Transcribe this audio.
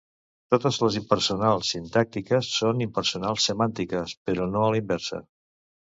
Totes les impersonals sintàctiques són impersonals semàntiques, però no a la inversa.